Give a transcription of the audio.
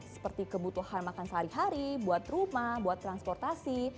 seperti kebutuhan makan sehari hari buat rumah buat transportasi